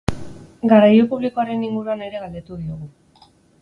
Garraio publikoaren inguruan ere galdetu diogu.